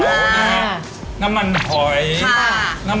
สวัสดีครับสวัสดีครับ